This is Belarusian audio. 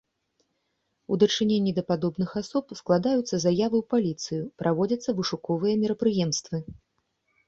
У дачыненні да падобных асоб складаюцца заявы ў паліцыю, праводзяцца вышуковыя мерапрыемствы.